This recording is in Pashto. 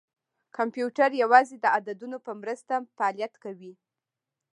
کمپیوټر یوازې د عددونو په مرسته فعالیت کوي.